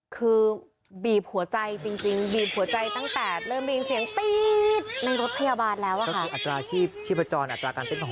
คือบีบหัวใจจริงบีบหัวใจตั้งแต่เริ่มได้ยินเสียงตี๊ดในรถพยาบาลแล้วค่ะ